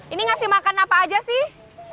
ini ngasih makan apa aja sih